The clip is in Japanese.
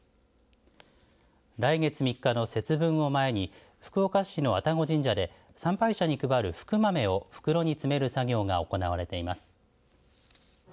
来月３日の節分を前に福岡市の愛宕神社で参拝者に配る福豆を袋に詰める作業が行われています。